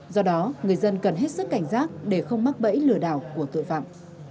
do đó người dân cần hết sức cảnh giác để không mắc bẫy lừa đảo của tội phạm